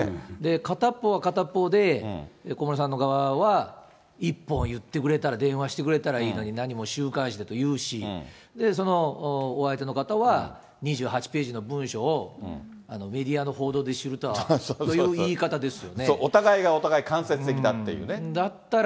片っ方は片っ方で、小室さんの側は一本言ってくれたら、電話してくれたら、何も週刊誌でというし、そのお相手の方は、２８ページの文書をメディアの報道で知るとはという言い方ですよ